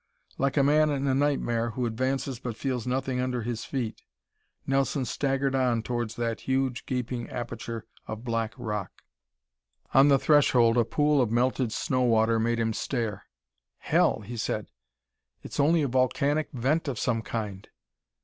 Like a man in a nightmare who advances but feels nothing under his feet, Nelson staggered on towards that huge, gaping aperture of black rock. On the threshold a pool of melted snow water made him stare. "Hell!" he said. "It's only a volcanic vent of some kind."